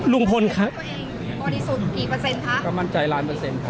ลุงพลครับพอดีสุดกี่เปอร์เซ็นต์คะก็มั่นใจล้านเปอร์เซ็นต์ครับ